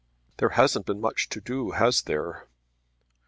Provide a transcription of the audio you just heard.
"There hasn't been much to do, has there?"